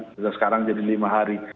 bisa sekarang jadi lima hari